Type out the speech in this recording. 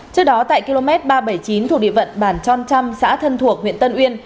trước đó tại km ba trăm bảy mươi chín thuộc địa phận bản tròn trăm xã thân thuộc huyện tân uyên